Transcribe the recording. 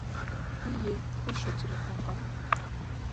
Эйе, ошо телефонға.